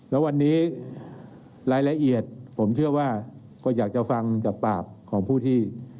แล้ววันนี้รายละเอียดผมเชื่อว่าก็อยากจะฟังจากปากของผู้ที่